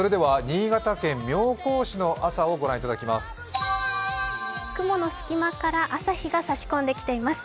新潟県妙高市の朝をご覧いただきます。